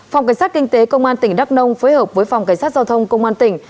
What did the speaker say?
phòng cảnh sát kinh tế công an tỉnh đắk nông phối hợp với phòng cảnh sát giao thông công an tỉnh